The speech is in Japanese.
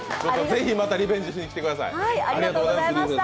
ぜひ、またリベンジに来てください。